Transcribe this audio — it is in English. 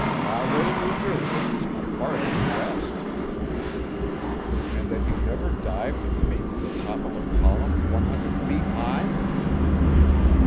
"Rahway, New Jersey, is my farthest west." "And that you never dived with me from the top of a column one hundred feet high?"